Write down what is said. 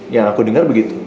yang aku dengar begitu